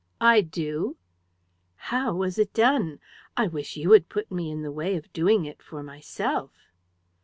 "I do." "How was it done? I wish you would put me in the way of doing it for myself."